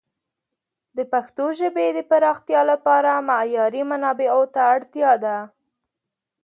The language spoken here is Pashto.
د پښتو ژبې د پراختیا لپاره معیاري منابعو ته اړتیا ده.